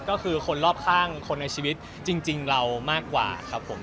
ก็คือคนรอบข้างคนในชีวิตจริงเรามากกว่าครับผม